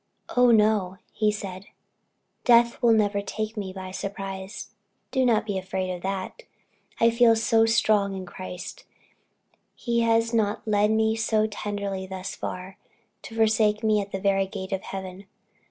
"Oh, no," he said, "death will never take me by surprise do not be afraid of that I feel so strong in Christ. He has not led me so tenderly thus far, to forsake me at the very gate of heaven.